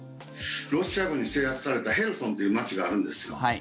ロシア軍に制圧されたヘルソンという街があるんです。